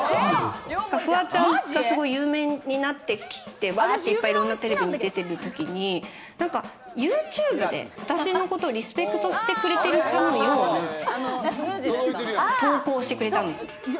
フワちゃんがすごい有名になってきて、いっぱいいろんなテレビに出てる時にユーチューブで私のことをリスペクトしてくれてるかのような投稿をしてくれたんですよ。